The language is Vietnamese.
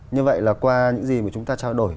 như vậy là qua những gì mà chúng ta trao đổi